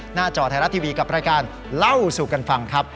จอไทยรัฐทีวีกับรายการเล่าสู่กันฟังครับ